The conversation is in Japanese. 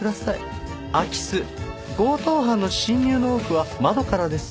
空き巣強盗犯の侵入の多くは窓からです。